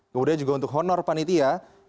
kemudian juga untuk honor panitia